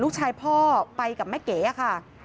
ลูกชายพ่อไปกับแม่เกะอะค่ะ